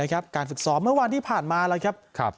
การฝึกซ้อมเมื่อวานที่ผ่านมาแล้วครับ